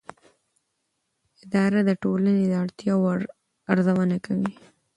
اداره د ټولنې د اړتیاوو ارزونه کوي.